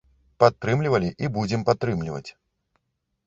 Падтрымлівалі і будзем падтрымліваць!